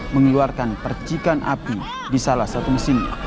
mengeluarkan percikan api di salah satu mesinnya